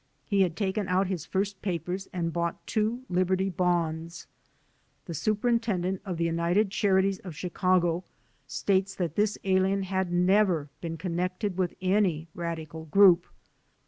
He had taken out his first papers and bought two Liberty Bonds. The Super intendent of the United Charities of Chicago states that this alien had never been connected with any radical group.